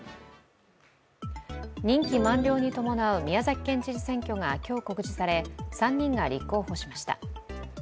任期満了に伴う宮崎県知事選挙が今日、告示され３人が立候補しました。